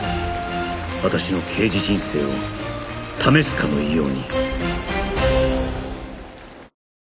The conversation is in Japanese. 私の刑事人生を試すかのように